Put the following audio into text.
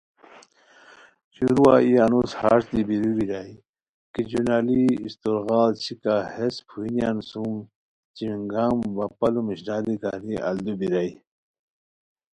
شروعہ ای انوس ہݰ دی بیرو بیرائے کی جنالی استورغاڑ شیکا ہیس پھوئینیان سُم چوینگام وا پلُوم اشناری گنی الدو بیرائے